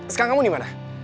sekarang kamu di mana